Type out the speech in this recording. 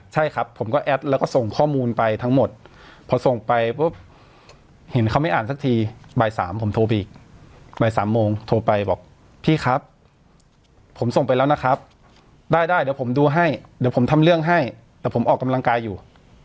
ใช่ครับผมก็แอดแล้วก็ส่งข้อมูลไปทั้งหมดพอส่งไปปุ๊บเห็นเขาไม่อ่านสักทีบ่ายสามผมโทรไปอีกบ่ายสามโมงโทรไปบอกพี่ครับผมส่งไปแล้วนะครับได้ได้เดี๋ยวผมดูให้เดี๋ยวผมทำเรื่องให้แต่ผมออกกำลังกายอยู่